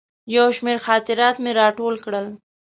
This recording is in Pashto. یو شمېر خاطرات مې راټول کړل.